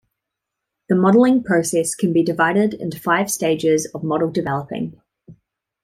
The modeling process can be divided into five stages of model developing.